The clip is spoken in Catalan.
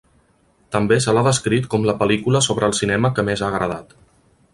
També se l'ha descrit com la pel·lícula sobre el cinema que més ha agradat.